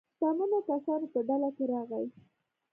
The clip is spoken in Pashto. شتمنو کسانو په ډله کې راغی.